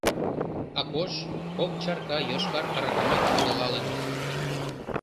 Акош кок чарка йошкар аракамат подылалын.